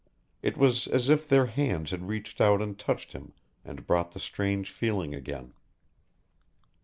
It was as if their hands had reached out and touched him and brought the strange feeling again.